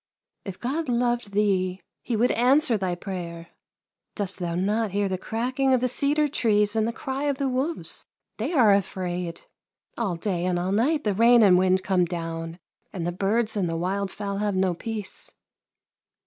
If God loved thee, He would answer thy prayer. Dost thou not hear the cracking of the cedar trees and the cry of the wolves — they are afraid. All day and all night the rain and wind come down, and the birds and wild fowl have no peace.